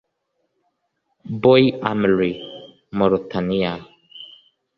Boy Amelie (Moritaniya)